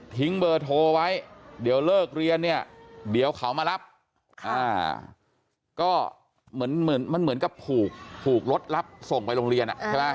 ทิ้งเบอร์โทรไว้เดี๋ยวเลิกเรียนเนี่ยเดี๋ยวเขามารับก็เหมือนกับผูกรถรับส่งไปโรงเรียน